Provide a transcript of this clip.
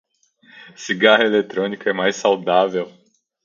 Cigarro eletrônico é mais saudável